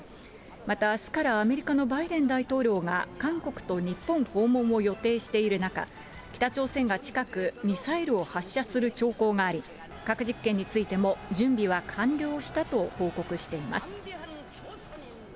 また、あすからアメリカのバイデン大統領が韓国と日本訪問を予定している中、北朝鮮が近く、ミサイルを発射する兆候があり、核実験についても準備は完了したと報告しています。